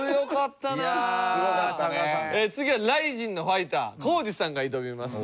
次はＲＩＺＩＮのファイター皇治さんが挑みます。